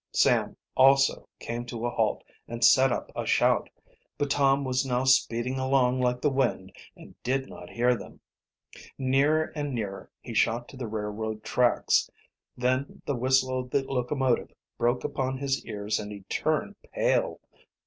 Sam also came to a halt and set up a shout. But Tom was now speeding along like the wind and did not hear them. Nearer and nearer he shot to the railroad tracks. Then the whistle of the locomotive broke upon his ears and he turned pale.